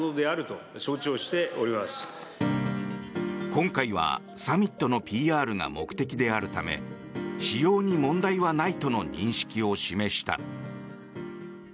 今回はサミットのＰＲが目的であるため使用に問題はないとの認識を示した。